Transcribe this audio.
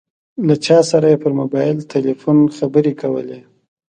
له چا سره یې پر موبایل ټیلیفون خبرې کولې.